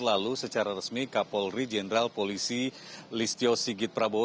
lalu secara resmi kapolri jenderal polisi listio sigit prabowo